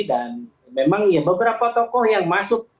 dan memang ya beberapa tokoh yang masuk